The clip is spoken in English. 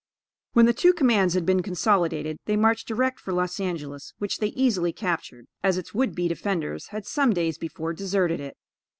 When the two commands had been consolidated, they marched direct for Los Angelos, which they easily captured, as its would be defenders had some days before deserted it.